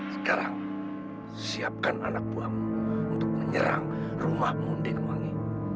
sekarang siapkan anak buahmu untuk menyerang rumah mundin wangi